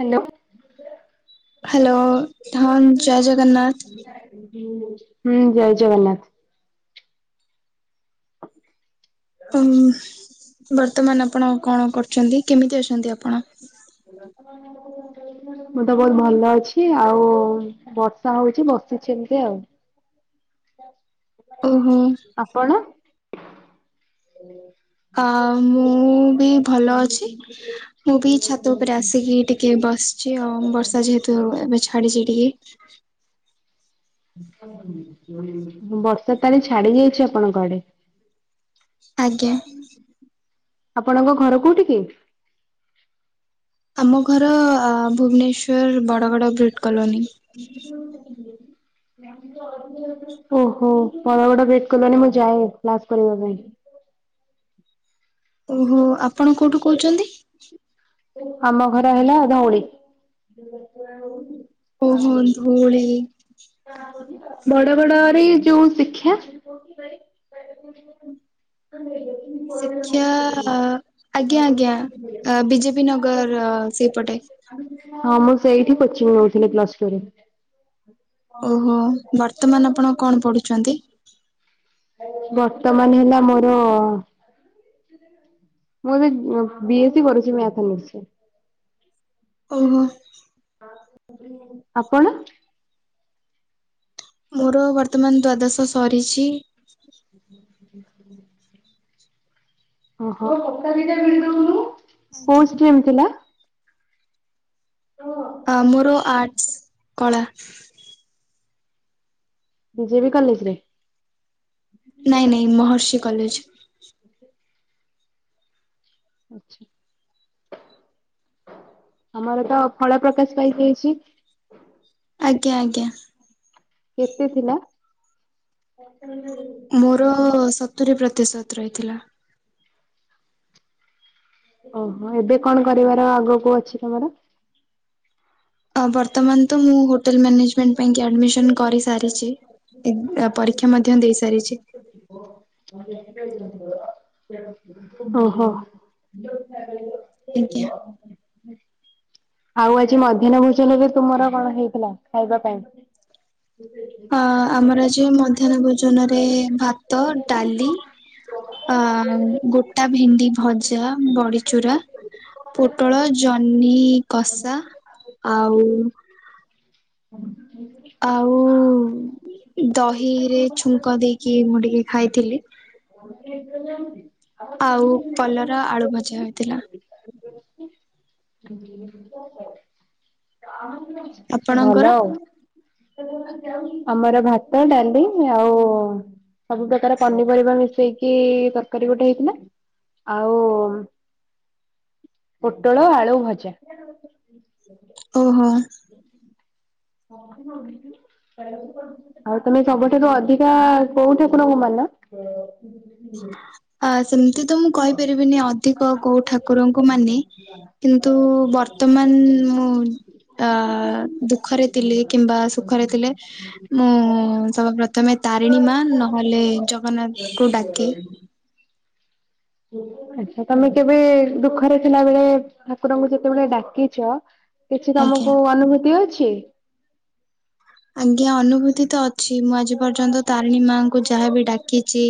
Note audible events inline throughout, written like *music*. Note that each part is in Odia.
ହାଲୋ। ହାଲୋ ହଁ ଜୟ ଜଗନ୍ନାଥ। ହୁଁ ଜୟ ଜଗନ୍ନାଥ। ହୁଁ ବର୍ତ୍ତମାନ ଆପଣ କଣ କରୁଛନ୍ତି? କେମିତି ଅଛନ୍ତି ଆପଣ? ହଁ *unintelligible* ମୁଁ ତ ବହୁତ ଭଲ ଅଛି, ଆଉ ବର୍ଷା ହଉଛି ବସିଛି ଏମତି ଆଉ। ଓହୋ ଆପଣ? ହଁ ମୁଁ ବି ଭଲ ଅଛି, ମୁଁ ବି ଛାତ ଉପରେ ଆସିକି ଟିକେ ବସିଛି ଆଉ ବର୍ଷା ଯେହେତୁ ଏବେ ଛାଡିଛି ଟିକେ। ବର୍ଷା ତାହେଲେ ଛାଡି ଯାଇଛି ଆପଣଙ୍କ ଆଡେ। ଆଜ୍ଞା। ଆପଣଙ୍କ ଘର କୋଉଠି କି? ଆମ ଘର ଆ ଭୁବନେଶ୍ଵର ବଡଗଡ ବ୍ରିଟ କଲୋନି। ଓହୋ। ବଡଗଡ ବ୍ରିଟ କଲୋନି ମୁଁ ଯାଏ କ୍ଲାସ କରିବା ପାଇଁ। *unintelligible* ଓହୋ ଆପଣ କୋଉଠୁ କହୁଛନ୍ତି? ଆମ ଘର ହେଲା ଧଉଳି। ଓହୋ ଧଉଳି। ବଡଗଡରେ ଯୋଉ ଶିକ୍ଷା। ହଇ *inaudible* ଶିକ୍ଷା ଆ। ଆଜ୍ଞା ଆଜ୍ଞା ବି ଜେ ପି ନଗର ସେପଟେ। ହଁ ମୁଁ ସେଇଠି କୋଚିଂ ନଉଥିଲି ପ୍ଲସ ଟୁ ରେ। ଓହୋ ବର୍ତ୍ତମାନ ଆପଣ କଣ ପଢୁଛନ୍ତି? ବର୍ତ୍ତମାନ ହେଲା ମୋର ମୁଁ ଏବେ ବି ଏସ ସି କରୁଛି ମ୍ୟାଥ ଅନର୍ସ ରେ। ଓହୋ। ଆପଣ? ମୋର ବର୍ତ୍ତମାନ ଦ୍ଵାଦଶ ସରିଛି। *inaudible* ଓହୋ। କୋଉ ଷ୍ଟ୍ରିମ୍ ଥିଲା? ଚ ବି ଜେ ବି କଲେଜ୍ ରେ? ନାଇଁ ନାଇଁ ମହର୍ଷି କଲେଜ୍। ଆଚ୍ଛା। ତମର ତ ଫଳ ପ୍ରକାଶ ପାଇ ଯାଇଛି? ଆଜ୍ଞା ଆଜ୍ଞା। କେତେ ଥିଲା? ମୋର ସତୁରୀ ପ୍ରତିଶତ ରହିଥିଲା। ଓହୋ। ଏବେ କଣ କରିବାର ଆଗକୁ ଅଛି ତମର? ବର୍ତ୍ତମାନ ତ ମୁଁ ହୋଟେଲ ମ୍ୟାନେଜମେଣ୍ଟ ପାଇଁ କି ଆଡମିଶନ୍ କରି ସାରିଚି। ଏଗ୍ ପରୀକ୍ଷା ମଧ୍ୟ ଦେଇ ସାରିଛି। ଓହୋ। ଆଜ୍ଞା। ଆଉ ଆଜି ମଧ୍ୟାହ୍ନ ଭୋଜନରେ ତୁମର କଣ ହେଇଥିଲା ଖାଇବା ପାଇଁ? ଆ-ଆମର ଯେ ମଧ୍ୟାହ୍ନ ଭୋଜନରେ ଭାତ, ଡାଲି ଆ ଗୋଟା ଭେଣ୍ଡି ଭଜା, ବଡିଚୁରା। ପୋଟଳ, ଜହ୍ନି କଷା ଆଉ ଆଉ ଦହିରେ ଛୁଙ୍କ ଦେଇକି ମୁଁ ଟିକେ ଖାଇଥିଲି। ଆଉ କଲରା ଆଳୁ ଭଜା ହେଇଥିଲା। ସେ ଆପଣଙ୍କର? ଭଲ ଆଉ ଆମର ଭାତ ଡାଲି ଆଉ ସବୁ ପ୍ରକାର ପନିପରିବା ମିଶେଇକି ତରକାରୀ ଗୋଟେ ହେଇଥିଲା। ଆଉ ପୋଟଳ ଆଳୁ ଭଜା। ଓହୋ ଆଉ ତମେ ସବୁଠାରୁ ଅଧିକା କୋଉ ଠାକୁର ଙ୍କୁ ମାନ ହୁଁ ଆ ସେମିତି ତ ମୁଁ କହିପାରିବିନି ଅଧିକ କୋଉ ଠାକୁରଙ୍କୁ ମାନେ କିନ୍ତୁ ବର୍ତ୍ତମାନ *unintelligible* ତା ଦୁଃଖରେ ଥିଲେ କିମ୍ବା ସୁଖରେ ଥିଲେ ମୁଁ ସର୍ବ ପ୍ରଥମେ ତାରିଣୀ ମା ନହେଲେ ଜଗନ୍ନାଥଙ୍କୁ ଡାକେ ହ ଆଛା ତମେ କେବେ ଦୁଃଖରେ ଥିଲାବେଳେ ଠାକୁରଙ୍କୁ ଯେତେବେଳେ ଡାକିଛ। କିଛି ଆଜ୍ଞା। ତମକୁ ଅନୁଭୂତି ଅଛି। ଆଜ୍ଞା ଅନୁଭୂତି ତ ଅଛି ମୁଁ ଆଜି ପର୍ଯ୍ୟନ୍ତ ତାରିଣୀ ମାଙ୍କୁ ଯାହାବି ଡାକିଛି।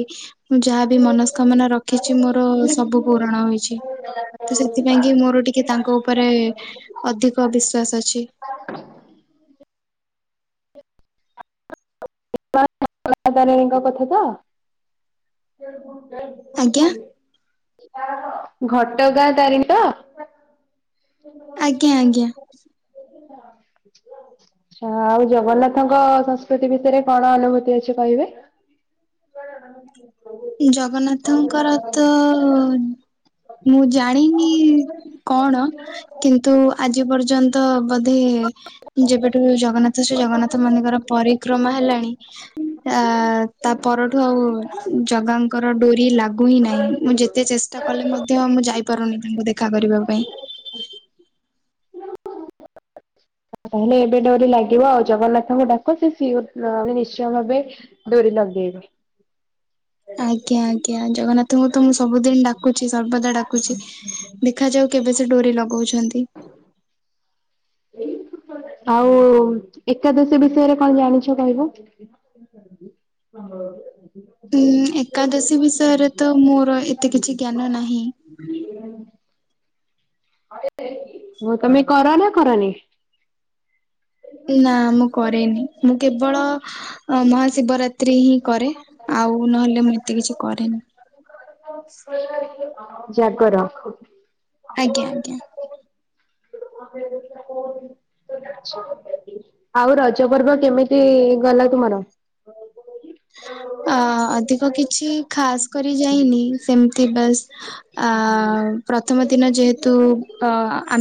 ମୁଁ ଯାହାବି ମନସ୍କାମନା ରଖିଛି ମୋର ସବୁ ପୂରଣ ହୋଇଛି। ତ ସେଥିପାଇଁ କି ମୋର ଟିକେ ତାଙ୍କ ଉପରେ ଅଧିକ ବିଶ୍ଵାସ ଅଛି। *inaudible* *unintelligible* ତାରିଣୀଙ୍କ କଥା ତ ଆଜ୍ଞା ଘଟଗାଁ ତାରିଣୀ ତ *inaudible* ଆଜ୍ଞା ଆଜ୍ଞା ଛ ଆଉ ଜଗନ୍ନାଥଙ୍କ ସଂସ୍କୃତି ବିଷୟରେ। କଣ ଅନୁଭୂତି ଅଛି କହିବେ ଜଗନ୍ନାଥଙ୍କର ତ ମୁଁ ଜାଣିନି କଣ କିନ୍ତୁ। ଆଜି ପର୍ଯ୍ୟନ୍ତ ବୋଧେ ଯେବେଠୁ ଜଗନ୍ନାଥ ଶ୍ରୀ ଜଗନ୍ନାଥ ମାନେକର ପରିକ୍ରମା ହେଲାଣି। ଆ ତା ପରଠୁ ଆଉ ଜଗାଙ୍କର ଡୋରି ଲାଗୁ ହିଁ ନାହିଁ ମୁଁ ଯେତେ ଚେଷ୍ଟା କଲେ ମଧ୍ୟ ମୁଁ ଯାଇପାରୁନି ତାଙ୍କୁ ଦେଖା କରିବା ଯବ ପାଇଁ। *inaudible* ତାହେଲେ ଏବେ ଡୋରି ଲାଗିବ ଆଉ ଜଗନ୍ନାଥଙ୍କୁ ଡାକ ସେ ସିଅର ଅ ସେ ନିଶ୍ଚୟ ଭାବେ ଡୋ ରି ଲଗେଇବେ *inaudible* ଆଜ୍ଞା ଆଜ୍ଞା ଜଗନ୍ନାଥଙ୍କୁ ତ ମୁଁ ସବୁଦିନ ଡାକୁଚି ସର୍ବଦା ଡାକୁଛି। ଦେଖାଯାଉ କେବେ ସେ ଡୋରି ଲଗଉଛନ୍ତି। ଆଉ ଏକାଦଶୀ ବିଷୟରେ କଣ ଜାଣିଛ କହିବ? *inaudible* ଉଁ ଏକାଦଶୀ ବିଷୟରେ ତ ମୋର ଏତେ କିଛି ଜ୍ଞାନ ନାହିଁ। ହ *inaudible* ହଁ ତମେ କର ନା କର ନିି। ନା ମୁଁ କରେନି ମୁଁ କେବଳ ମହାଶିବରାତ୍ରି ହିଁ କରେ ଆଉ ନହେଲେ ମୁଁ ଏତେ କିଛି କରେନି। ଜାଗର ରଖ ଆଜ୍ଞା ଆଜ୍ଞା। *inaudible* ଆଉ ରଜ ପର୍ବ କେମିତି ଗଲା ତୁମର? ଆ ଅଧିକ କିଛି ଖାସ୍ କରି ଯାଇନି ସେମିତି ବାସ୍ ଆ ପ୍ରଥମ ଦିନ ଯେହେତୁ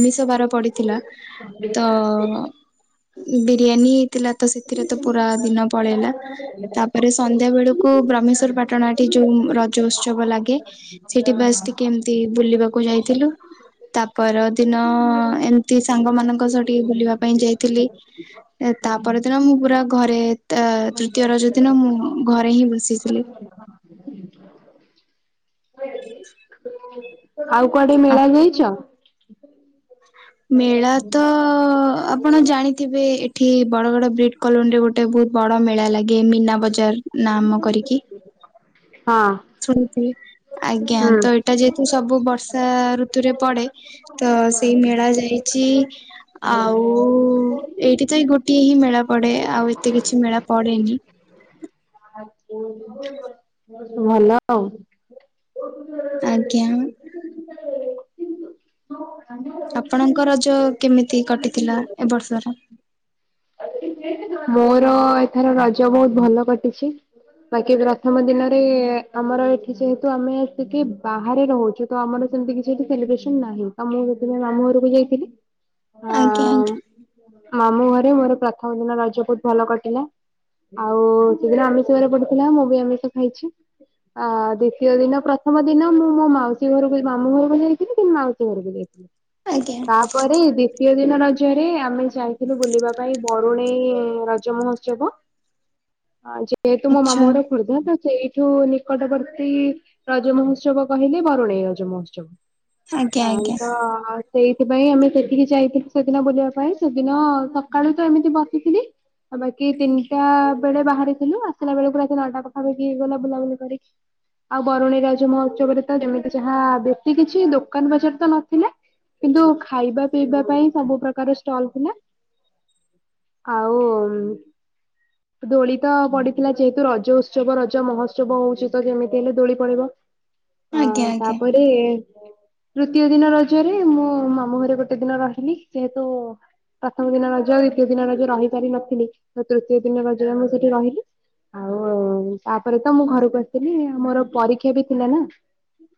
ଆମିଷ ବାର ପଡ଼ିଥିଲା। ତ ବିରିୟାନୀ ହେଇଥିଲା ତ ସେଥିରେ ତ ପୁରା ଦିନ ପଳେଇଲା ତାପରେ ସନ୍ଧ୍ୟା ବେଳୁ କୁ ବ୍ରହ୍ମେଶ୍ଵର ପାଟଣାଟି ଯୋଉ ରଜ ଉତ୍ସବ ଲାଗେ ସେଠି ବାସ ଟିକେ ଏମିତି ବୁଲିବାକୁ କୁ ଯାଇଥିଲୁ। ତାପର ଦିନ ଏମିତି ସାଙ୍ଗ ମାନଙ୍କ ସହ ଟିକେ ବୁଲିବା ପାଇଁ ଯାଇଥିଲି। ତାପରଦିନ ମୁଁ ପୁରା ଘରେ ତୃତୀୟ ରଜ ଦିନ ମୁଁ ଘରେ ହିଁ ବସିଥିଲି। ଆଉ କୁଆଡେ ମେଳା ଯାଇଛ? ମେଳା ତ ଆପଣ ଜାଣିଥିବେ ଏଠି ବଡଵଡ ବ୍ରିଡ କଲୋନୀରେ ଗୋଟେ ବହୁତ ବଡ ମେଳା ଲାଗେ ମୀନା ବଜାର ନାମ କରିକି। ହଁ। ଆଜ୍ଞା ତ ଏଇଟା ଯେହେତୁ ସବୁ ବର୍ଷା ଋତୁରେ ପଡେ ତ ସେଇ ମେଳା ଯାଇଛି ଆଉ ଏଇଠି ତ ଗୋଟିଏ ହିଁ ମେଳା ପଡେ ଆଉ ଏତେ କିଛି ମେଳା ପଡେନି। ହ୍ୟାଲୋ। ଆଜ୍ଞା। ଆପଣଙ୍କ ରଜ କେମିତି କଟିଥିଲା ଏ ବର୍ଷର? ମ ତ ଏଥର ରଜ ବହୁତ ଭଲ କଟିଛି। ବାକି ପ୍ରଥମ ଦିନରେ ଆମର ଏଠି ଯେହେତୁ ଆମେ ଏଟିକି ବାହାରେ ରହୁଛୁ ତ ଆମର ସେମିତି କିଛି ଏଠି ସେଇବ୍ରେସନ ନାହିଁ ମୁଁ ସେଥିପାଇଁ ମାମୁଁ ଘରକୁ ଯାଇଥିଲି। ହଁ ଆଜ୍ଞା ଆଜ୍ଞା। ମାମୁଁ ଘରେ ମୋର ପ୍ରଥମ ଦିନ ରଜ ବହୁତ ଭଲ କଟିଲା। ଆଉ ସେଦିନ ଆମିଷ ଵାର ପଡିଥିଲା ମୁଁ ବି ଆମିଷ ଖାଇଛି। ଆ ଦ୍ଵିତୀୟ ଦିନ ପ୍ରଥମ ଦିନ ମୁଁ ମୋ ମାଉସୀ ଘରକୁ ମାମୁଁ ଘରକୁ ଯାଇଥିଲି ଫିର ମାଉସୀ ଘରକୁ ଯାଇଥିଲି। ଆଜ୍ଞା ତାପରେ ଦ୍ଵିତୀୟ ଦିନ ରଜରରେ ଆମେ ଯାଇଥିଲୁ ବୁଲିବା ପାଇଁ ବରୁଣେଇ ରଜ ମହୋତ୍ସବ। ଯେହେତୁ ମୋ ଆଚ୍ଛା ମାମୁଁ ଘର ଖୋର୍ଦ୍ଧା ସେଇ ଏଠୁ ନିକଟବର୍ତ୍ତୀ ରଜ ମହୋତ୍ସବ କହିଲେ ବରୁଣେଇ ରଜ ମହୋତ୍ସବ। ଆଜ୍ଞା ହଁ ଆଜ୍ଞା ତ ସେଇଥିପାଇଁ ଆମେ ସେତିକି ଯାଇଥିଲୁ ସେଦିନ ବୁଲିବା ପାଇଁ। ସେଦିନ ସକାଳୁ ଆଉ ବାକି ତିନିଟା ବେଳେ ବାହାରିଥିଲୁ ଆସିଲା ବେଳକୁ ରାତି ନଅଟା ପାଖାପାଖି ହେଇ ଗଲା ବୁଲାବୁଲି କରିକି। ଆଉ ବରୁଣେଇ ରାଜ ମହୋତ୍ସବରେ ତ ଯେମିତି ଯାହା ବେଶୀ କିଛି ଦୋକାନ ବଜାର ତ ନଥିଲା। କିନ୍ତୁ ଖାଇବା ପିଇବା ପାଇଁ ସବୁ ପ୍ରକାର ଷ୍ଟଲ ଥିଲା। ଆଉ ଦୋଳି ତ ପଡିଥିଲା ଯେହେତୁ ରଜ ଉତ୍ସବ ରଜ ମହୋତ୍ସବ ହଉଛି ତ କେମିତି ହେଲେ ଦୋଳି ପଡିବ। *inaudible* ଅଁ ଆଜ୍ଞା। ତାପରେ ତୃତୀୟ ଦିନ ରଜରେ ମୁଁ ମାମୁଁ ଘରେ ଗୋଟେ ଦିନ ବାହାରିଲି ସେହେତୁ ପ୍ରଥମ ଦିନ ରଜ ଦ୍ୱିତୀୟ ଦିନ ରଜ ରହିପାରିିନଥିଲି ତ ତୃତୀୟ ଦିନ ରଜ ମୁଁ ସେଠି ରହିଲି। ଆଉ ତାପରେ ତ ମୁଁ ଘରକୁ ଆସିଲି ଆମୋର ପରୀକ୍ଷା ବି ଥିଲା ନା।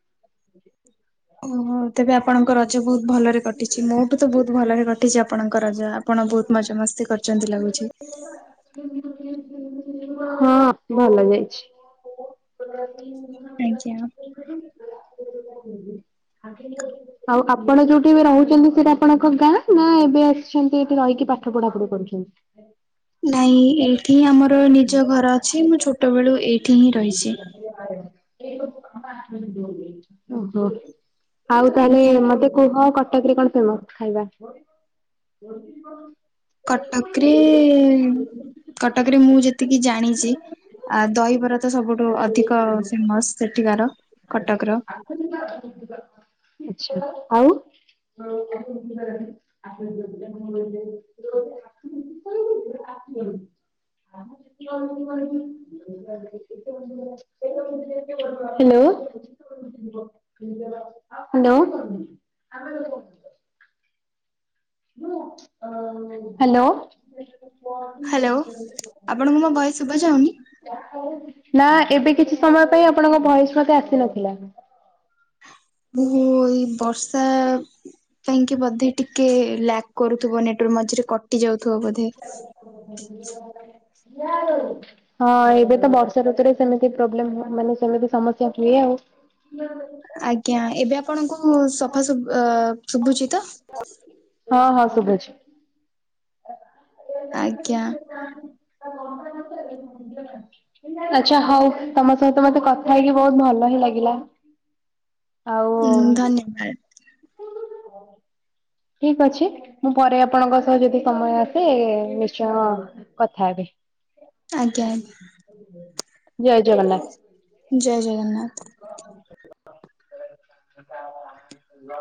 *inaudible* ଓହୋ ତେବେ ଆପଣଙ୍କ ରଜ ବହୁତ ଭଲରେ କଟିଛି ମୁଁ ବି ତ ବହୁତ ଭଲରେ କଟିଛି ଆପଣଙ୍କ ରଜ। ଆପଣ ବହୁତ ମଜା ମସ୍ତି କରିଛନ୍ତି ଲାଗୁଛି। ହଁ ଭଲ ଯାଇଛି। *inaudible* ଆଜ୍ଞା। *inaudible* ଆଉ ଆପଣ ଯୋଉଠି ବି ରହୁଚନ୍ତି ସେଇଟା ଆପଣଙ୍କ ଗାଁ ନା ଏବେ ଆସିଚନ୍ତି ରହିକି ପାଠ ପଢା ପଢି କରୁଚନ୍ତି? ନାଇଁ ଏଇଠି ହିଁ ଆମର ନିଜ ଘର ଅଛି। ମୁଁ ଛୋଟ ବେଳୁ ଏଇଠି ହିଁ ରହିଚି। ଓହୋ। ଆଉ ଆଜ୍ଞା ତାହେଲେ ମତେ କୁହ କଟକରେ କଣ ଫେମ ଖାଇବା? କଟକରେ *inaudible* କଟକରେ ମୁଁ ଯେତିକି ଜାଣିଚି ଆ ଦହିବରା ତ ସବୁଠୁ ଅଧିକ ଫେମସ ସେଠିକାର। କଟକର। ଆଛା ଆଉ? *inaudible* *inaudible* Hello hello *inaudible* hello. ହାଲୋ ଆପଣଙ୍କୁ ମୋ ଭୟସ ଶୁଭା ଯାଉନି? ନା ଏବେ କିଛି ସମୟ ପାଇଁ ଆପଣଙ୍କ ଭୟସ ମତେ ଆସିନଥିଲା। ମୁ ଏଇ ବର୍ଷା ପାଇଁକି ବୋଧେ ଟିକେ ଲା କରୁଥିବ ନେଟୱାର୍କ ମଝିରେ କଟି ଯାଉଥିବ ବୋଧେ। ହଁ ଏବେ ତ ବର୍ଷା ଋତୁରେ ସେମିତି ପ୍ରୋବ୍ଲେ ମାନେ ସେମିତି ସମସ୍ୟା ହୁଏ ଆଉ। *inaudible* ଆଜ୍ଞା ଏବେ ଆପଣଙ୍କୁ ସଫା ଶୁଭୁ ଅ ଶୁଭୁଚି ତ? ହଁ ହଁ ଶୁଭୁଚି। ଆଜ୍ଞା *inaudible* *inaudible* ଆଚଛା ହଉ ତମ ସହିତ ମତେ କଥା ହେଇକି ବହୁତ ଭଲ ହିଁ ଲାଗିଲା। ଆଉ ହଁ ଧନ୍ୟବାଦ। *inaudible* ଠିକ ଅଛି ମୁଁ ପରେ ଆପଣଙ୍କ ସହ ଯଦି ସମୟ ଆସେ ନିଶ୍ଚୟ କଥା ହେବି। ଆଜ୍ଞା ଆଜ୍ଞା। ଜୟ ଜଗନାଥ। ଜୟ ଜଗନ୍ନାଥ। *unintelligible*